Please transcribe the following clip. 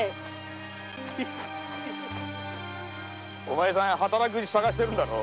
お前さん働き口探してんだろ。